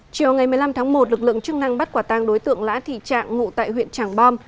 chiều ngày một mươi năm tháng một lực lượng chức năng bắt quả tang đối tượng lã thị trạng ngụ tại huyện trảng bom